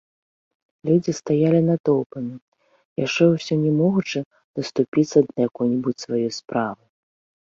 Людзі стаялі натоўпамі, яшчэ ўсё не могучы даступіцца да якой-небудзь сваёй справы.